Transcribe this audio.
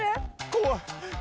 怖い。